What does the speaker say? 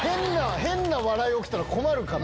変な笑い起きたら困るから。